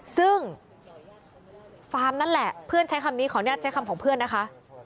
ซึ่งฟาร์มนั่นแหละเพื่อนใช้คำนี้ขออนุญาตใช้คำของเพื่อนนะคะ